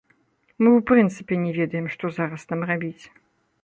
Мы ў прынцыпе не ведаем, што зараз нам рабіць.